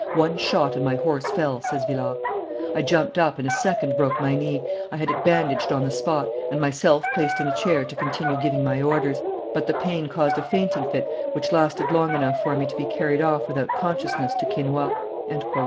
One shot and my horse fell," says Villars. "I jumped up, and a second broke my knee; I had it bandaged on the spot, and myself placed in a chair to continue giving my orders, but the pain caused a fainting fit which lasted long enough for me to be carried off without consciousness to Quesnoy."